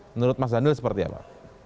menurut mas daniel seperti apa